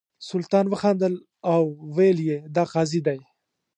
سلطان وخندل او ویل یې دا قاضي دی.